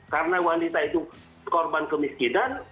karena wanita itu korban kemiskinan